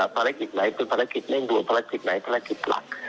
ภารกิจไหนเป็นภารกิจเร่งด่วนภารกิจไหนภารกิจหลัก